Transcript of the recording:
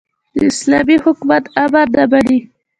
د اسلامي حکومت امر نه مني.